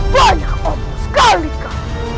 banyak omong sekali kak